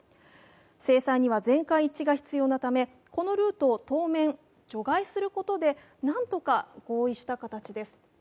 制裁には全会一致が必要なため、このルートを当面、除外することで何とか合意した形です。